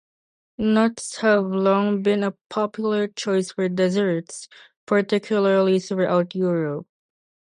Nuts have long been a popular choice for desserts, particularly throughout Europe.